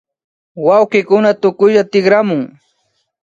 Wawkikuna kutinlla tikramun